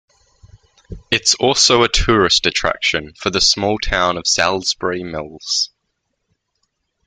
It is also a tourist attraction for the small town of Salisbury Mills.